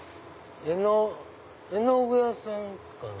絵の具屋さんかな？